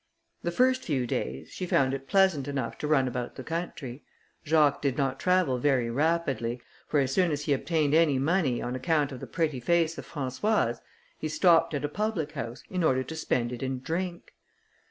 The first few days, she found it pleasant enough to run about the country. Jacques did not travel very rapidly, for as soon as he obtained any money, on account of the pretty face of Françoise, he stopped at a public house, in order to spend it in drink.